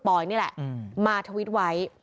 อยนี่แหละมาทวิตไว้